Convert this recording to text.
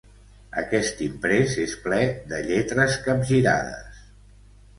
Aquest imprès és ple de lletres capgirades.